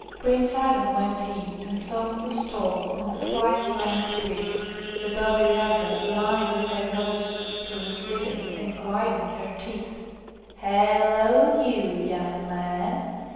Prince Ivan went in and saw on the stove, on the thrice ninth brick, the Baba Yaga lying with her nose through the ceiling and grinding her teeth. " Hello, you, young man